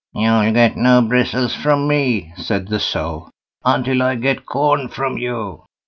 "You'll get no bristles from me", said the Sow, "until I get corn from you."